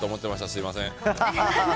すみません。